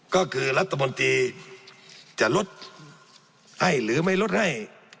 ก็คือรัฐมนตรีจะลดให้หรือไม่ลดให้